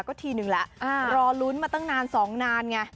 ก็ทีนึงแล้วรอลุ้นมาตั้งนาน๒นานไง